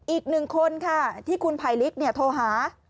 อีกหนึ่งคนค่ะที่คุณภัยลิกโทรหา